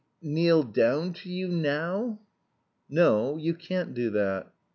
kneel down... to you now?" "No, you can't do that."